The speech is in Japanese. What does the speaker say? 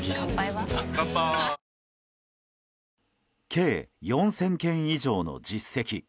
計４０００件以上の実績。